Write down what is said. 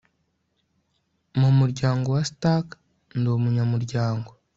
Mu muryango wa Stark ndi umunyamuryango